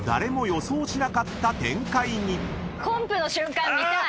コンプの瞬間見たい。